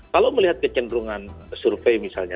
kalau melihat kecenderungan survei misalnya